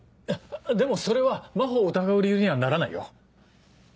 でもそれは真帆を疑う理由にはならないよ。